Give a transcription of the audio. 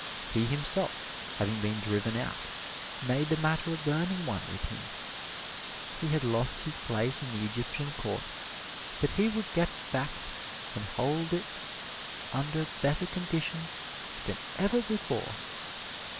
He himself, having been driven out, made the matter a burning one with him: he had lost his place in the Egyptian Court, but he would get it back and hold it under better conditions than ever before!